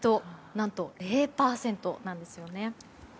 何と０％なんですよね。